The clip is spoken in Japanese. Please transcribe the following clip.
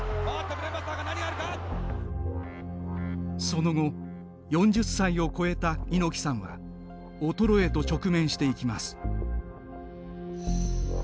その後４０歳を超えた猪木さんは衰えと直面していきます。